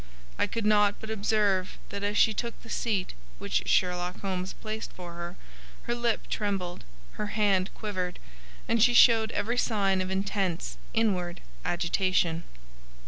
I could not but observe that as she took the seat which Sherlock Holmes placed for her, her lip trembled, her hand quivered, and she showed every sign of intense inward agitation.